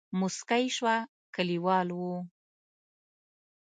موسکۍ شوه کليوال وو.